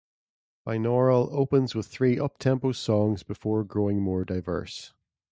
"Binaural" opens with three up-tempo songs before growing more diverse.